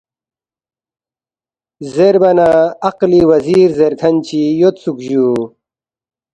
زیربا نہ عقلی وزیر زیرکھن چی یودسُوک جُو